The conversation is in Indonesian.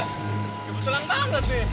kebetulan banget bi